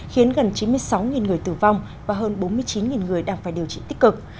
khiến gần chín mươi sáu người tử vong và hơn bốn mươi chín người đang phải điều trị tích cực